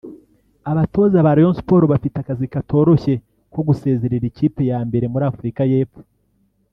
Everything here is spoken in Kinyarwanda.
Abatoza ba Rayon Sports bafite akazi katoroshye ko gusezerera ikipe ya mbere muri Afurika y’Epfo